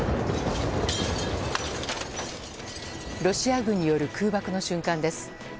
ロシア軍による空爆の瞬間です。